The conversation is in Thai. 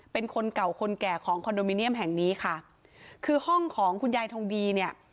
เป็นคนเก่าคนแก่ของคอนโดมิเนียมแห่งนี้ค่ะคือห้องของคุณยายทองดีเนี่ย